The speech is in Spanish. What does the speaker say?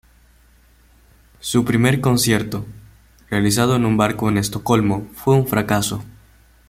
Su primer concierto, realizado en un barco en Estocolmo, fue un fracaso.